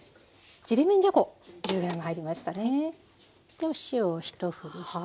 でお塩をひとふりして。